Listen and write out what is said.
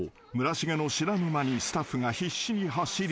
重の知らぬ間にスタッフが必死に走り］